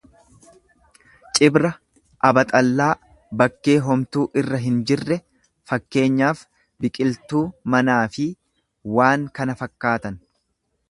Cibra abaxallaa, bakkee homtuu irra hin jirre. fkn. biqiltuu, mana fi waan kana fakkaatan